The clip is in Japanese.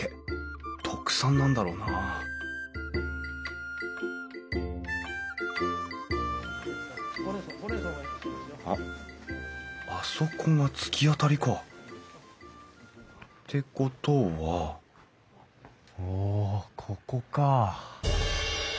特産なんだろうなあっあそこが突き当たりか。ってことはおここか。